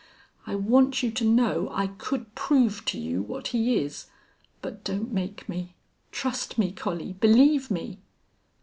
I want you to know I could prove to you what he is. But don't make me. Trust me, Collie. Believe me."